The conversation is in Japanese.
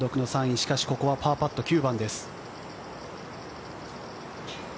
しかし、ここはパーパット９番です。